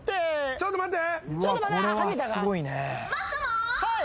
ちょっと待って。